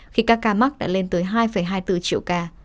khi các ca mắc đã lên tới hai hai mươi bốn triệu ca